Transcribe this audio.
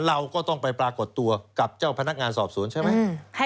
เราก็ต้องไปปรากฏตัวกับเจ้าพนักงานสอบสวนใช่ไหม